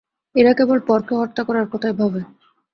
এরা কেবল পরকে হত্যা করার কথাই ভাবে।